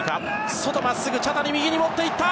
外、真っすぐ茶谷、右に持っていった。